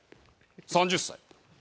３０歳。